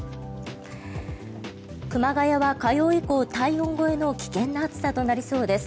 熊谷は火曜以降、体温超えの危険な暑さとなりそうです。